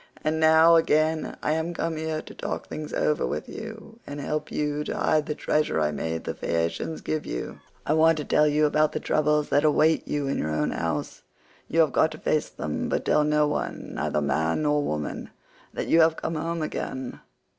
And now, again, I am come here to talk things over with you, and help you to hide the treasure I made the Phaeacians give you; I want to tell you about the troubles that await you in your own house; you have got to face them, but tell no one, neither man nor woman, that you have come home again.